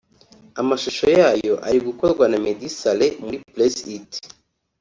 amashusho yayo ari gukorwa na Meddy Saleh muri Press It